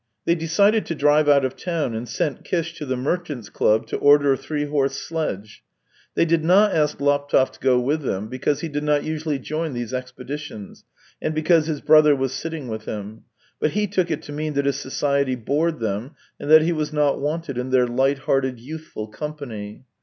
They decided to drive out of town, and sent Kish to the merchant's club to order a three horse sledge. They thd not ask Laptev to go with them because he did not usually join the.5e expeditions, and because his brother was sitting with him; but he took it to mean that his society bored them, and that he was not wanted in their light hearted youthful Company.